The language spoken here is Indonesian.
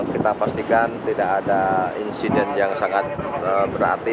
kita pastikan tidak ada insiden yang sangat berarti